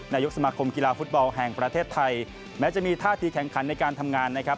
นายกสมาคมกีฬาฟุตบอลแห่งประเทศไทยแม้จะมีท่าทีแข่งขันในการทำงานนะครับ